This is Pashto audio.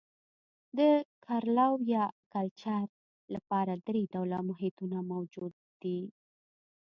د کرلو یا کلچر لپاره درې ډوله محیطونه موجود دي.